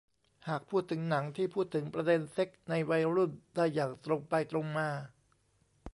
หากพูดถึงหนังที่พูดถึงประเด็นเซ็กส์ในวัยรุ่นได้อย่างตรงไปตรงมา